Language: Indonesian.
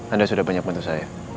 anda sudah banyak bantu saya